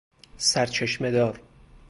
سرچشمه دار